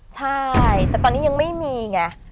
ใช่แต่ตอนนี้ยังไม่มีไง